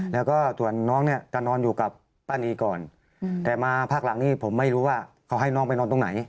แล้วก็ส่วนน้องจะนอนอยู่กับป้านีก่อน